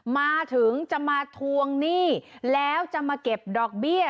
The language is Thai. มาถึงจะมาทวงหนี้แล้วจะมาเก็บดอกเบี้ย